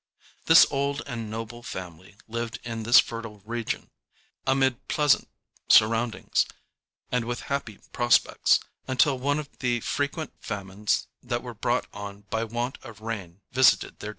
This old and noble family lived in this fertile region, amid pleasant surroundings, and with happy prospects, until one of the frequent famines that were brought on by want of rain visited their district.